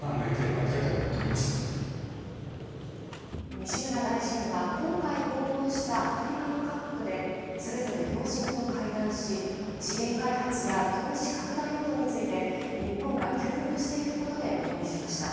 西村大臣は、今回訪問したアフリカの各国で、それぞれ要人と会談し、資源開発や投資拡大などについて、日本が協力していくことで合意しました。